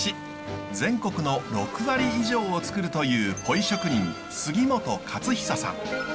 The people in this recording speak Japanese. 全国の６割以上をつくるというポイ職人杉本勝久さん。